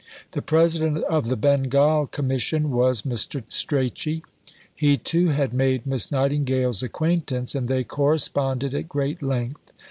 The President of the Bengal Commission was Mr. Strachey. He, too, had made Miss Nightingale's acquaintance, and they corresponded at great length.